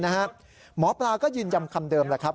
หมอปลาก็ยืนยันคำเดิมแหละครับ